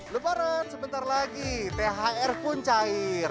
lebaran sebentar lagi thr pun cair